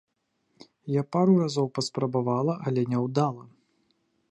Я пару разоў паспрабавала, але няўдала.